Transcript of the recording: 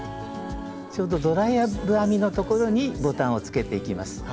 ちょうどドライブ編みのところにボタンをつけていきます。